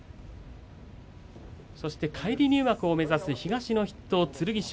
そして返り入幕を目指す東の筆頭剣翔。